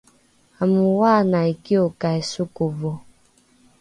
amooanai kiokai sokovo